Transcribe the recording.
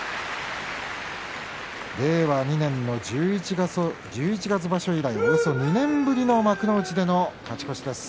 令和２年の十一月場所以来およそ２年ぶりの幕内での勝ち越しです。